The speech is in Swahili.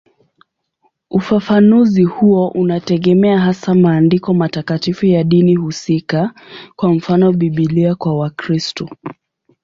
Ufafanuzi huo unategemea hasa maandiko matakatifu ya dini husika, kwa mfano Biblia kwa Wakristo.